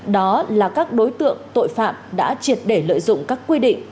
đó là các đối tượng tội phạm đã triệt để lợi dụng các quy định